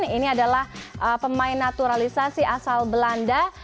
ini adalah pemain naturalisasi asal belanda